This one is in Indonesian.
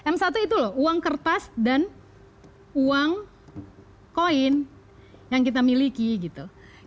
m satu itu loh uang kertas dan uang koin yang kita miliki gitu